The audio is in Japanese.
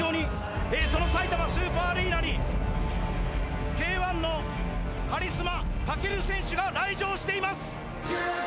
さいたまスーパーアリーナにＫ−１のカリスマ武尊選手が来場しています！